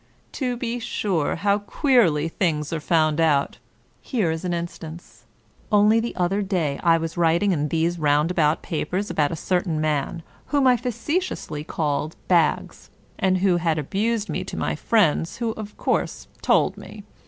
To be sure how queerly things are found out! Here is an instance. Only the other day I was writing in these Roundabout Papers about a certain man, whom I face tiously called Baggs, and who had abused me to my friends, who of course told me.